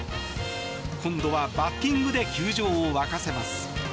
今度はバッティングで球場を沸かせます。